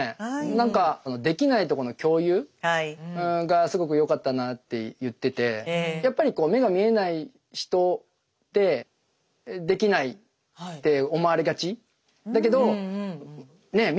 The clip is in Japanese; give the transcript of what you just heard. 何かできないとこの共有？がすごくよかったなあって言っててやっぱりこう目が見えない人ってできないって思われがちだけどねえ？